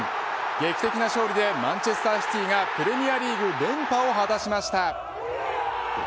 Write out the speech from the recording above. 劇的な勝利でマンチェスターシティがプレミアリーグ連覇を果たしました。